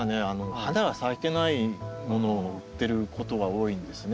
花が咲いてないものを売ってることは多いんですね。